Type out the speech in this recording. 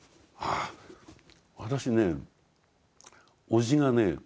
私ねおじがね